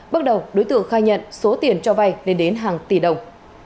bước đầu đối tượng khai nhận số tiền cho vay lên đến hàng tỷ đồng